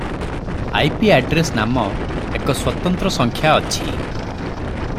"IP address" ନାମ ଏକ ସ୍ୱତନ୍ତ୍ର ସଂଖ୍ୟା ଅଛି ।